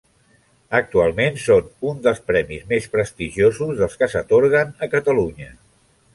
Actualment són uns dels premis més prestigiosos dels que s'atorguen a Catalunya.